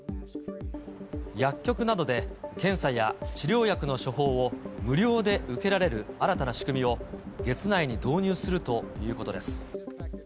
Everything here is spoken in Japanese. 薬局などで検査や治療薬の処方を無料で受けられる新たな仕組みを、月内に導入するということです。